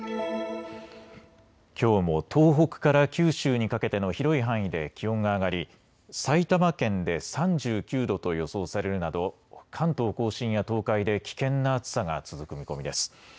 きょうも東北から九州にかけての広い範囲で気温が上がり埼玉県で３９度と予想されるなど関東甲信や東海で危険な暑さが続く見込みです。